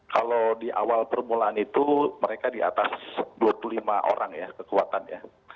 kalau di awal permulaan itu mereka di atas dua puluh lima orang ya kekuatannya